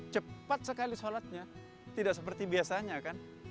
cepat sekali sholatnya tidak seperti biasanya kan